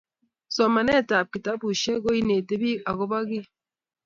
somanetab kitabushek koineti biik agoba kiiy